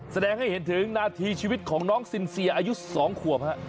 แสดงให้เห็นถึงนาทีชีวิตของน้องซินเซียอายุ๒ขวบ